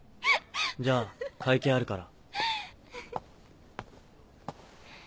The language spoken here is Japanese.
じゃあ会計あるから。